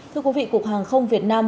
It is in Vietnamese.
thưa quý vị cục hàng không việt nam